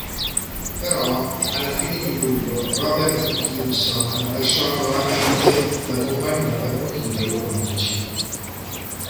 Però, alla fine di luglio, Robert Gibson lasciò nuovamente la compagnia per motivi economici.